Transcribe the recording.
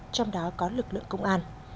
trong đó có lực lượng công an